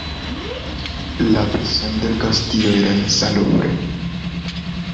La prisión del castillo era insalubre.